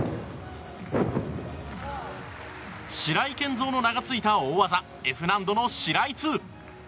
白井健三の名がついた大技Ｆ難度のシライ２。